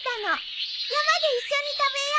山で一緒に食べよ。